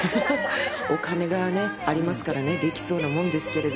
お金がありますから、できそうなもんですけど。